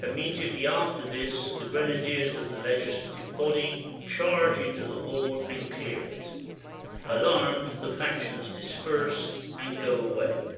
Im mediately after this the grenadiers of the legislative body charge into the hall and clear it. Alarmed, the factions dis perse and go away.